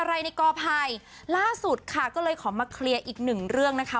อะไรในกอภัยล่าสุดค่ะก็เลยขอมาเคลียร์อีกหนึ่งเรื่องนะคะ